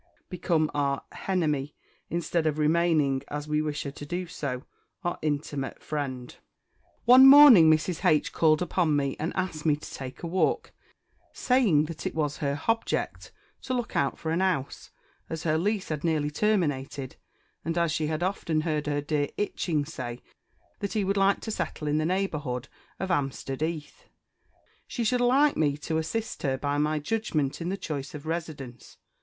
become our "_h_enemy," instead of remaining, as we wish her to do, our intimate friend. One morning, Mrs. H. called upon me, and asked me to take a walk, saying that it was her _h_object to look out for an 'ouse, as her lease had nearly terminated; and as she had often heard her dear 'Itching say that he would like to settle in the neighbourhood of 'Ampstead 'Eath, she should like me to assist her by my judgment in the choice of a residence.